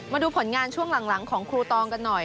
มาดูผลงานช่วงหลังของครูตองกันหน่อย